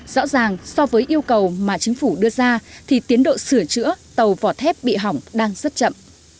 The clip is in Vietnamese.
rõ ràng so với yêu cầu mà chính phủ đưa ra thì tiến độ sửa chữa tàu vỏ thép bị hỏng đang rất chậm